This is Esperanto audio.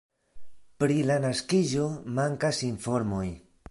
Pri la naskiĝo mankas informoj.